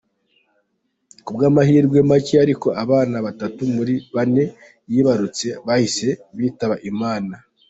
Kubw’amahirwe macye ariko abana batatu muri bane yibarutse bahise bitaba Imana.